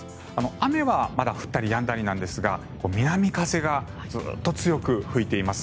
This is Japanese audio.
雨はまだ降ったりやんだりなんですが南風がずっと強く吹いています。